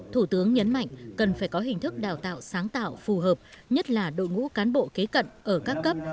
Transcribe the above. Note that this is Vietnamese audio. thủ tướng nhấn mạnh cần phải có hình thức đào tạo sáng tạo phù hợp nhất là đội ngũ cán bộ kế cận ở các cấp